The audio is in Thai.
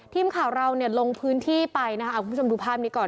ทีมข่าวเราเนี่ยลงพื้นที่ไปนะคะคุณผู้ชมดูภาพนี้ก่อน